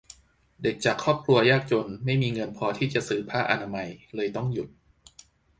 เด็กจากครอบครัวยากจนไม่มีเงินพอที่จะซื้อผ้าอนามัย เลยต้องหยุด